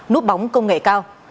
nút bóng công nghệ cao